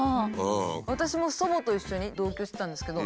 私も祖母と一緒に同居してたんですけど